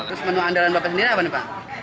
terus menu anda dan bapak sendiri apa nih pak